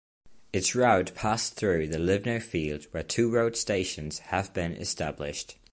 Its route passed through the Livno Field where two road stations have been established.